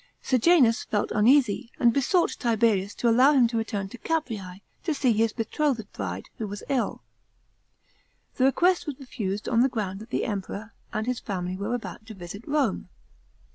Sejanus felt uneasy, and besought Tiberius to allow him to return to Caprese, to «ee his betrothed bride, who was ill. The request was reiusid, on the ground that the Emperor and his family were about to visit Rome.